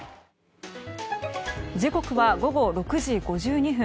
時刻は午後６時５２分。